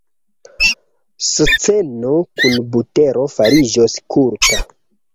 Sceno kun butero fariĝos kulta.